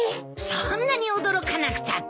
そんなに驚かなくたって。